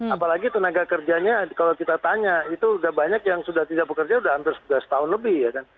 apalagi tenaga kerjanya kalau kita tanya itu sudah banyak yang sudah tidak bekerja sudah hampir setahun lebih